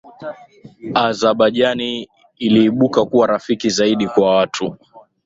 Azabajani iliibuka kuwa rafiki zaidi kwa watu